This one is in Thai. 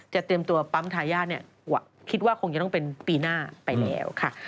เตรียมตัวปั๊มทายาทคิดว่าคงจะต้องเป็นปีหน้าไปแล้วค่ะ